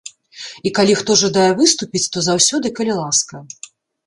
І калі хто жадае выступіць, то заўсёды калі ласка.